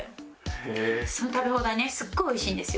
その食べ放題ねすごい美味しいんですよ。